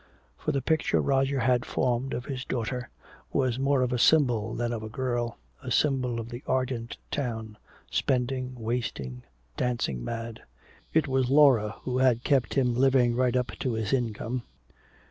For the picture Roger had formed of this daughter was more of a symbol than of a girl, a symbol of the ardent town, spending, wasting, dancing mad. It was Laura who had kept him living right up to his income.